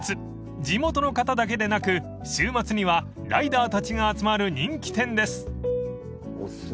［地元の方だけでなく週末にはライダーたちが集まる人気店です］